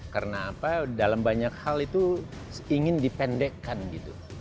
karena apa dalam banyak hal itu ingin dipendekkan gitu